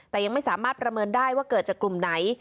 แต่ยังไม่สามารถประเมินได้ว่าเกิดจากกลุ่มไหน